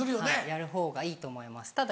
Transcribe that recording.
はいやるほうがいいと思います。